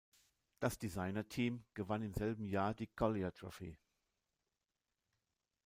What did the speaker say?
Das Designer-Team gewann im selben Jahr die Collier Trophy.